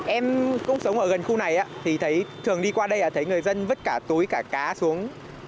em cũng sống ở gần khu này thường đi qua đây thấy người dân vứt cả túi cả cá xuống